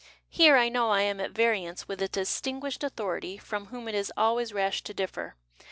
Here, I know, I am at variance with a distinguished authority, from whom it is always rash to differ.